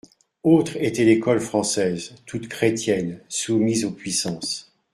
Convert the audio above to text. Autre était l'école française, toute chrétienne, soumise aux puissances.